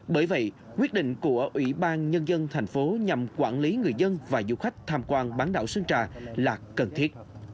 bởi vậy quyết định của ủy ban nhân dân thành phố nhằm quản lý người dân và du khách tham quan bán đảo sơn trà là cần thiết